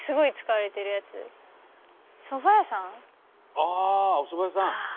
「ああー！おそば屋さん！」